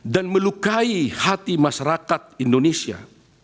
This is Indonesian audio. dan melukai hati masyarakat indonesia